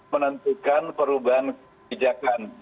menentukan perubahan kebijakan